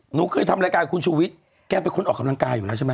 หนูเคยทำรายการคุณชูวิทย์แกเป็นคนออกกำลังกายอยู่แล้วใช่ไหม